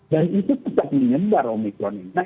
dan itu tetap menyebar omnitron ini